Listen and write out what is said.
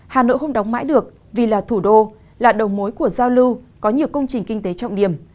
hà nội không đóng mãi được vì là thủ đô là đầu mối của giao lưu có nhiều công trình kinh tế trọng điểm